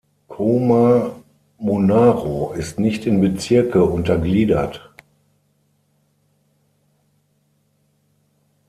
Cooma-Monaro ist nicht in Bezirke untergliedert.